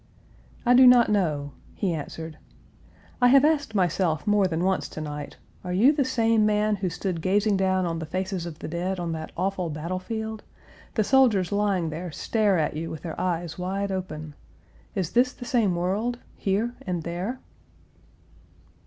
"I do not know," he answered. "I have asked myself more than once to night, 'Are you the same man who stood gazing down on the faces of the dead on that awful battle field, The soldiers lying there stare at you with their eyes wide open. Is this the same world? Here and there?'